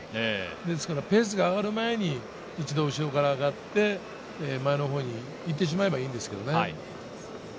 ですからペースが上がる前に一度後ろから上がって、前のほうにいってしまえばいいんですけどね。